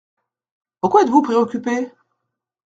Pourquoi êtes-vous préoccupé ?